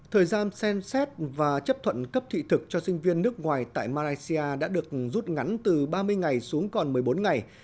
thời gian xem xét và chấp thuận cấp thị thực cho sinh viên nước ngoài tại malaysia đã được rút ngắn từ ba mươi ngày xuống còn một mươi bốn ngày